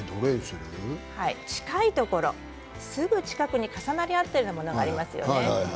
近いところすぐ近くに重なり合っているところがありますよね。